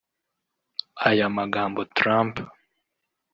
Aya magambo Trump